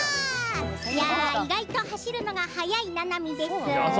意外と走るのが速いななみです。